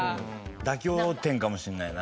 妥協点かもしれないな。